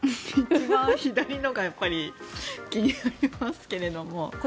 一番左のがやっぱり気になりますけど。